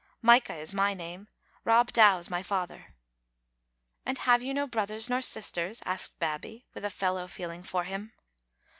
" Micah is my name. Rob Dow's my father." " And have you no brothers nor sisters?" asked Bab bie, with a fellow feeling for him.